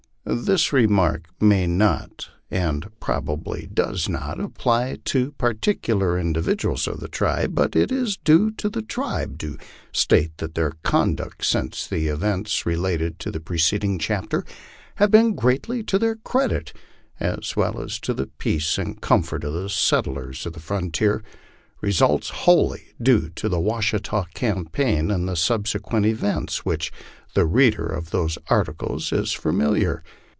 This remark may not, r,nd probably does not, apply to particular individu MY LIFE ON THE PLAINS. 231 als of the tribe, but it is due to the tribe to state that their conduct, since the events related in the preceding chapter, has been greatly to their credit, as well as to the peace and comfort of the settlers of the frontier ; results wholly due to the Washita campaign and the subsequent events with which the reader of these articles is familiar.